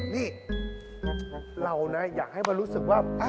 นี่เรานะอยากให้มารู้สึกว่า